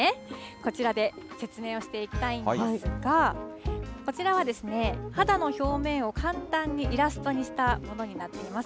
こちらで説明をしていきたいんですが、こちらはですね、肌の表面を簡単にイラストにしたものになっています。